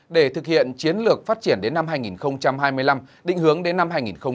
để thực hiện chiến lược phát triển đến năm hai nghìn hai mươi năm định hướng đến năm hai nghìn ba mươi